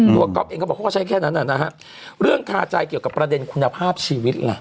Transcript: บอกว่าเขาใช้แค่นั้นนะฮะเรื่องคาใจเกี่ยวกับประเด็นคุณภาพชีวิตน่ะ